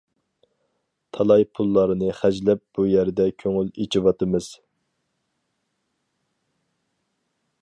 تالاي پۇللارنى خەجلەپ بۇ يەردە كۆڭۈل ئېچىۋاتىمىز.